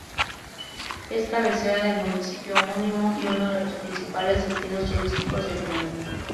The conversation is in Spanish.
Es cabecera del municipio homónimo y uno de los principales destinos turísticos del mundo.